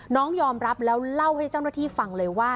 น้องยอมรับแล้วเล่าให้เจ้าหน้าที่ฟังเลยว่า